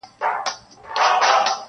• ما پر منبر د خپل بلال ږغ اورېدلی نه دی -